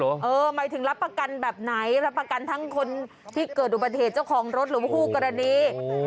หมายถึงรับประกันแบบไหนรับประกันทั้งคนที่เกิดอุบัติเหตุเจ้าของรถหรือว่าคู่กรณี